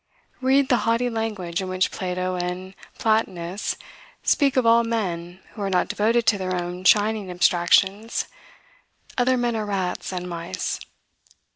Read the haughty language in which Plato and the Platonists speak of all men who are not devoted to their own shining abstractions: other men are rats and mice.